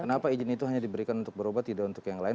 kenapa izin itu hanya diberikan untuk berobat tidak untuk yang lain